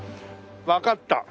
わかった。